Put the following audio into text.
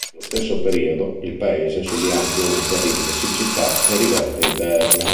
Nello stesso periodo il paese subì anche una terribile siccità e rivolte interne.